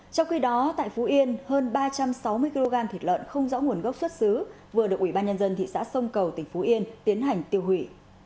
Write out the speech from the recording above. trong khi đó tại phú yên hơn ba trăm sáu mươi kg thịt lợn không rõ nguồn gốc xuất xứ vừa được ủy ban nhân dân thị xã sông cầu tỉnh phú yên tiến hành tiêu hủy